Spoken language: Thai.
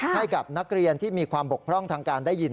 ให้กับนักเรียนที่มีความบกพร่องทางการได้ยิน